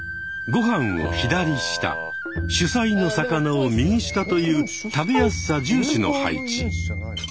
ご飯を左下主菜の魚を右下という食べやすさ重視の配置。